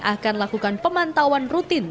akan lakukan pemantauan rutin